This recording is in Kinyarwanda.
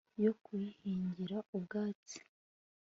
yo kuyihingira ubwatsi